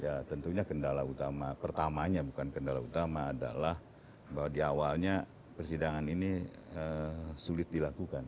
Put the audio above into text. ya tentunya kendala utama pertamanya bukan kendala utama adalah bahwa di awalnya persidangan ini sulit dilakukan